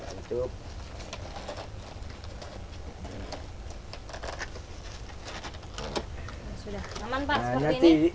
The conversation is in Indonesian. sudah aman pak